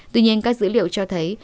tuy nhiên các dữ liệu cho thấy